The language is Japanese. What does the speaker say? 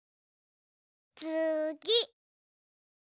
つぎ。